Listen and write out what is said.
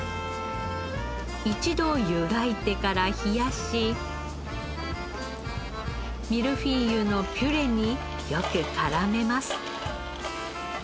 一度湯がいてから冷やしミルフィーユのピュレによく絡めます。